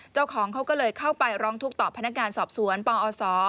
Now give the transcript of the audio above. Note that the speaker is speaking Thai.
เจ้าของเขาก็เลยเข้าไปร้องทุกข์ต่อพนักงานสอบสวนปอศ